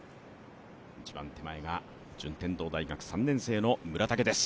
一番手前が順天堂大学３年の村竹です。